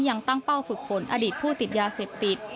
ยังตั้งเป้าฝึกผลอดีตผู้ติดยาเสพติด